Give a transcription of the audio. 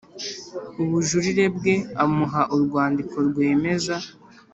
ubujurire bwe Amuha urwandiko rwemeza